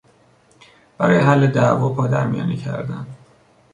برای حل دعوا پادر میانی کردن